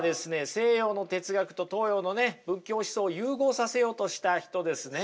西洋の哲学と東洋のね仏教思想を融合させようとした人ですね。